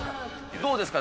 どうですか？